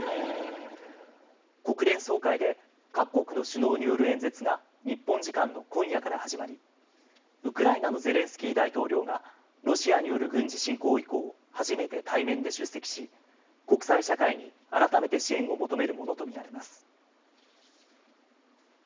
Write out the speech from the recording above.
国連総会で各国の首脳による演説が日本時間の今夜から始まりウクライナのゼレンスキー大統領がロシアによる軍事侵攻以降、初めて対面で出席し国際社会に改めて支援を求めるものと見られます。